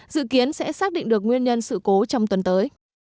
dự kiến sẽ xác định được nguyên nhân sự cố trong tuần tới